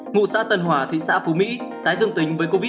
ngụ xã tân hòa thị xã phú mỹ tái dương tính với covid một mươi chín